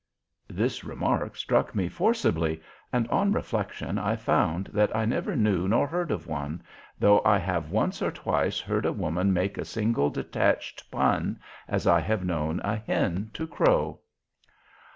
This remark struck me forcibly, and on reflection I found that I never knew nor heard of one, though I have once or twice heard a woman make a single detached pun, as I have known a hen to crow.